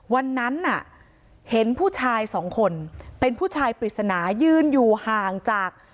วันนั้นน่ะเห็นผู้ชายสองคนเป็นผู้ชายปริศนายืนอยู่ห่างจาก